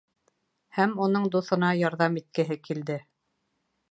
Һәм уның дуҫына ярҙам иткеһе килде.